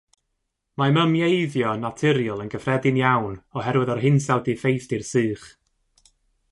Mae mymieiddo naturiol yn gyffredin iawn oherwydd yr hinsawdd diffeithdir sych.